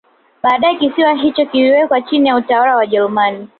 Baadae kisiwa hicho kiliwekwa chini ya utawala wa Wajerumani